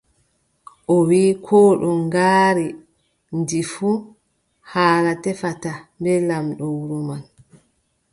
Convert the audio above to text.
O wii, kooɗo ngaari ndi fuu, haala tefata bee laamɗo wuro man.